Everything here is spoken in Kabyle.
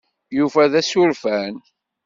Yuba d asurfan.